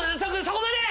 そこまで！